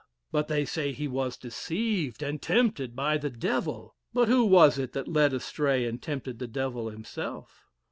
But they say he was deceived and tempted by the devil. But who was it that led astray and tempted the devil himself?